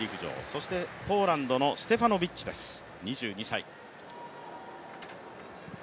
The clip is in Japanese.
そしてポーランドのステファノビッチです、２２歳。